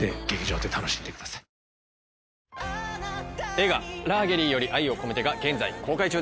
映画『ラーゲリより愛を込めて』が現在公開中です。